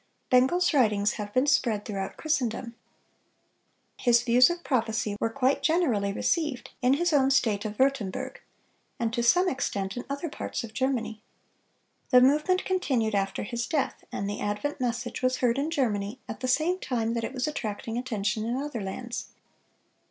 Bengel's writings have been spread throughout Christendom. His views of prophecy were quite generally received in his own state of Würtemberg, and to some extent in other parts of Germany. The movement continued after his death, and the advent message was heard in Germany at the same time that it was attracting attention in other lands.